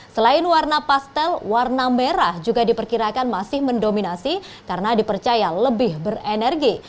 selain warna pastel warna merah juga diperkirakan masih mendominasi karena dipercaya lebih berenergi